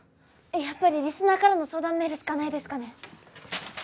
やっぱりリスナーからの相談メールしかないですかね？